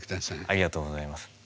ありがとうございます。